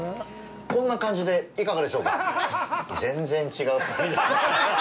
こんな感じでいかがでしょうか。